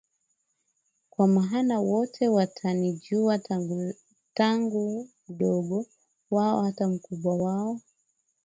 Kwa maana wote watanijua Tangu mdogo wao hata mkubwa wao